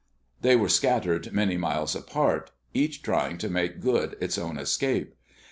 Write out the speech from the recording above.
They were scattered many miles apart, each trying to make good its own escape.